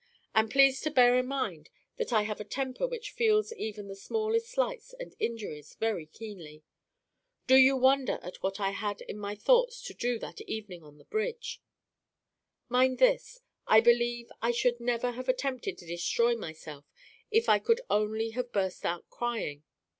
And please to bear in mind that I have a temper which feels even the smallest slights and injuries very keenly. Do you wonder at what I had it in my thoughts to do that evening on the bridge? "Mind this: I believe I should never have attempted to destroy myself if I could only have burst out crying.